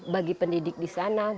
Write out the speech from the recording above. bagi pendidik di sana